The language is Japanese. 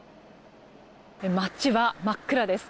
街は真っ暗です。